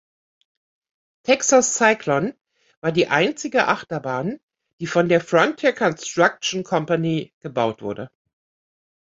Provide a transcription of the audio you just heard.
Texas Cyclone war die einzige Achterbahn, die von der "Frontier Construction Company" gebaut wurde.